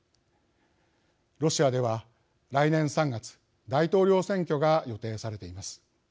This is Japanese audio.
ロシアでは来年３月大統領選挙が予定されています。